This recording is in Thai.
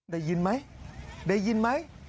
ได้ยินไหมได้ยินไหม